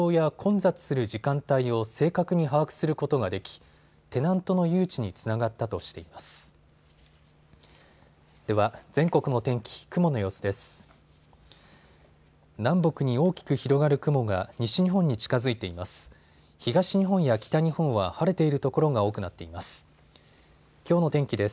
東日本や北日本は晴れている所が多くなっています。